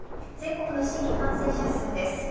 全国の新規感染者数です。